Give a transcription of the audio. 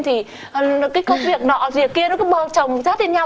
thì cái công việc nọ gì kia nó cứ bờ trồng rát lên nhau